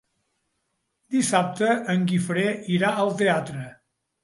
Dissabte en Guifré irà al teatre.